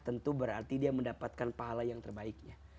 tentu berarti dia mendapatkan pahala yang terbaiknya